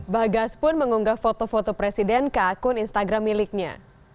bagas pun mengunggah foto foto presiden ke akun instagram miliknya